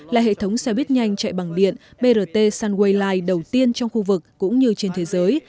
là hệ thống xe buýt nhanh chạy bằng điện brt sunwei đầu tiên trong khu vực cũng như trên thế giới